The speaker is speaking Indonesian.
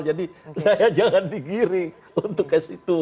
jadi saya jangan digiri untuk ke situ